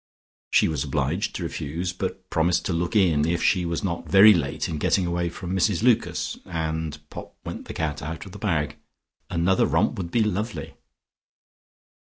She was obliged to refuse, but promised to look in, if she was not very late in getting away from Mrs Lucas's (and pop went the cat out of the bag). Another romp would be lovely.